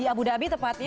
di abu dhabi tepatnya